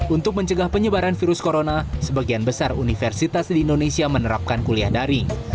untuk mencegah penyebaran virus corona sebagian besar universitas di indonesia menerapkan kuliah daring